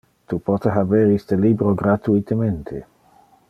Tu pote haber iste libro gratuitemente.